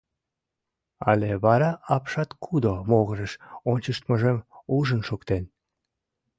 Але вара апшаткудо могырыш ончыштмыжым ужын шуктен?